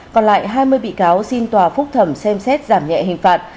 còn lại hai mươi bị cáo xin tòa phúc thẩm xem xét giảm nhẹ hình phạt